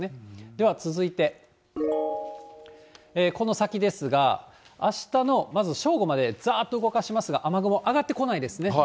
では続いて、この先ですが、あしたのまず正午まで、ざっと動かしますが、雨雲上がってこないですね。